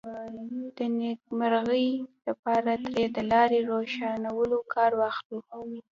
د نېکمرغۍ لپاره ترې د لارې روښانولو کار واخلو.